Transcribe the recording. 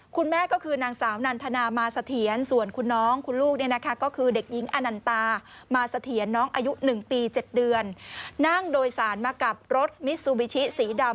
หนึ่งปีเจ็ดเดือนนั่งโดยสารมากับรถมิซูบิชิสีดำ